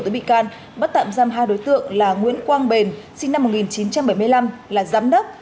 tới bị can bắt tạm giam hai đối tượng là nguyễn quang bền sinh năm một nghìn chín trăm bảy mươi năm là giám đốc